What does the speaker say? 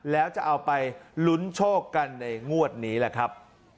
แล้วจะเอาไปลุ้นโชคกันในงวดนี้แหละครับ